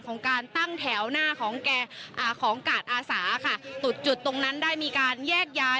ของการตั้งแถวหน้าของกาศอาสาจุดตรงนั้นได้มีการแยกย้าย